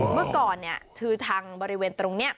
เมื่อก่อนคือทางบริเวณตรงนี้